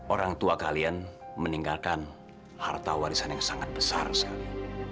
orang tua kalian meninggalkan harta warisan yang sangat besar sekali